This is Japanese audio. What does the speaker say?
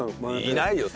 いないよ